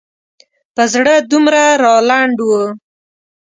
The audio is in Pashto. په زړه دومره رالنډ و.